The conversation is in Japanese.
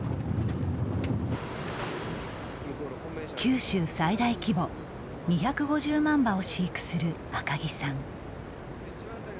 九州最大規模２５０万羽を飼育する赤木さん。